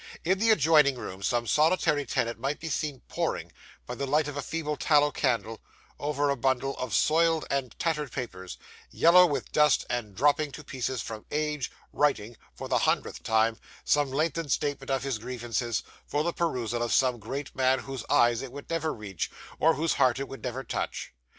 In the adjoining room, some solitary tenant might be seen poring, by the light of a feeble tallow candle, over a bundle of soiled and tattered papers, yellow with dust and dropping to pieces from age, writing, for the hundredth time, some lengthened statement of his grievances, for the perusal of some great man whose eyes it would never reach, or whose heart it would never touch.